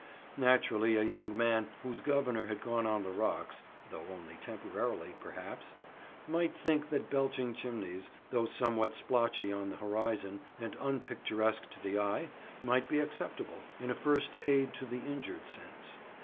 Naturally a young man whose governor has gone on the rocks (though only temporarily, perhaps), might think that belching chimneys, though somewhat splotchy on the horizon and unpicturesque to the eye, might be acceptable, in a first aid to the injured sense.